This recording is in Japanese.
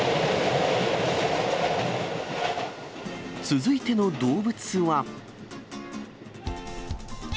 続いての動物は。